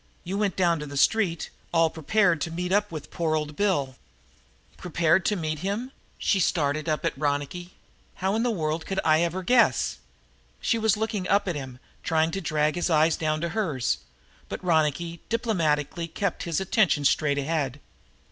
"You went down to the street, all prepared to meet up with poor old Bill " "Prepared to meet him?" She started up at Ronicky. "How in the world could I ever guess " She was looking up to him, trying to drag his eyes down to hers, but Ronicky diplomatically kept his attention straight ahead.